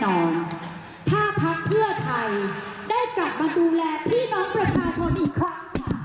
ถ้าพักเพื่อไทยได้กลับมาดูแลพี่น้องประชาชนอีกครั้งค่ะ